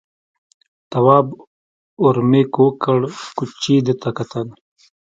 تواب ور مېږ کوږ کړ، کوچي ده ته کتل.